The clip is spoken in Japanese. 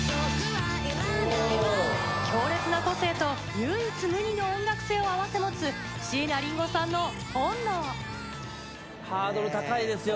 強烈な個性と唯一無二の音楽性を併せ持つ椎名林檎さんの『本能』。・熱唱！